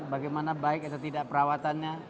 bagaimana baik atau tidak perawatannya